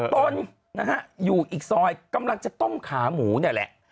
ตนนะฮะอยู่อีกซอยกำลังจะต้มขาหมูนี่แหละ